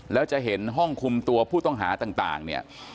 แล้วจะเห็นห้องคุมตัวผู้ต้องหาต่างเนี่ย